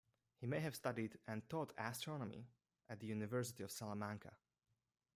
He may have studied and taught astronomy at the University of Salamanca.